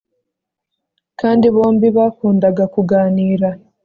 kandi bombi bakundaga kuganira